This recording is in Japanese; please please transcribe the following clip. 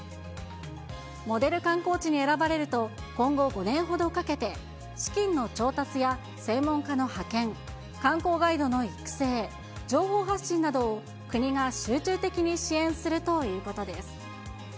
モデル観光地に選ばれると、今後、５年ほどかけて、資金の調達や、専門家の派遣、観光ガイドの育成、情報発信などを国が集中的に支援するということです。